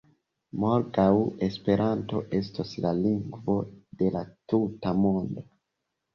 Morgaŭ Esperanto estos la lingvo de la tuta Mondo!